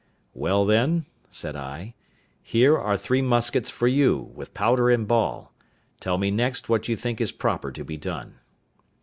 "Well, then," said I, "here are three muskets for you, with powder and ball; tell me next what you think is proper to be done."